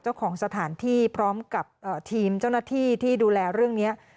เจ้าของสถานที่พร้อมกับทีมเจ้าหน้าที่ที่ดูแลเรื่องนี้